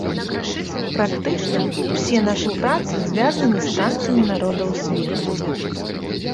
Практычна ўсе нашы працы звязаны з танцамі народаў свету.